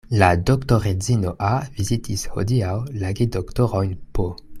La doktoredzino A. vizitis hodiaŭ la gedoktorojn P.